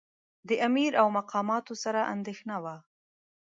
د امیر او مقاماتو سره اندېښنه وه.